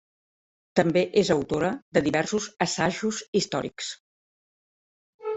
També és autora de diversos assajos històrics.